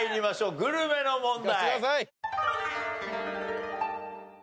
グルメの問題。